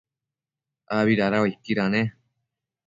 abi dada uaiquida ne?